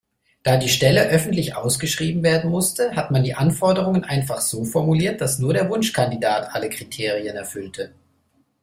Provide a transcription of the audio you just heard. Da die Stelle öffentlich ausgeschrieben werden musste, hat man die Anforderungen einfach so formuliert, dass nur der Wunschkandidat alle Kriterien erfüllte.